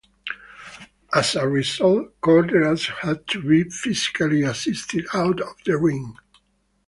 As a result, Korderas had to be physically assisted out of the ring.